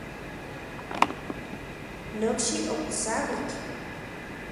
Nokxi oposauik.